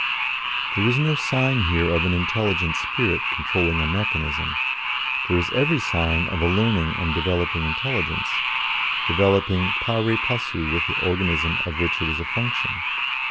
There is no sign here of an intelligent spirit controlling a mechanism; there is every sign of a learning and developing intelligence, developing pari passu with the organism of which it is a function.